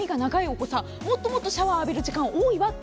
お子さんもっともっとシャワーを浴びる時間多いわ。